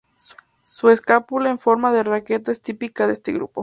Su escápula en forma de raqueta es típica de este grupo.